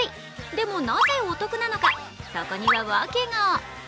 でも、なぜお得なのか、そこにはワケが。